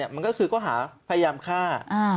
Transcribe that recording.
มันก็คือข้อหาพยายามฆ่า